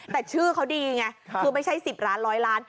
แต่ชื่อเขาดีไงคือไม่ใช่๑๐ล้าน๑๐๐ล้าน